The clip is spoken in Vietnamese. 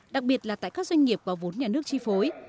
đặc biệt là tại các doanh nghiệp có vốn nhà nước chi phối